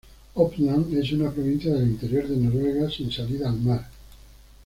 Oppland es una provincia del interior de Noruega sin salida al mar.